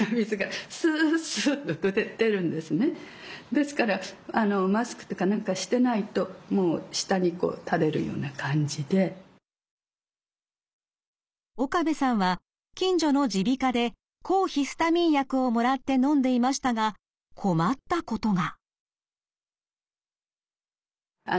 ですから岡部さんは近所の耳鼻科で抗ヒスタミン薬をもらってのんでいましたが困ったことが。